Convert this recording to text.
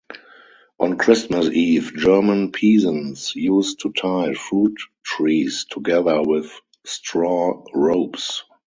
On Christmas Eve, German peasants used to tie fruit trees together with straw ropes.